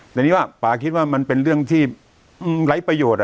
แต่นี่ว่าป่าคิดว่ามันเป็นเรื่องที่ไร้ประโยชน์